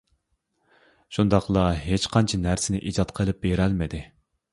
شۇنداقلا ھېچقانچە نەرسىنى ئىجاد قىلىپ بېرەلمىدى.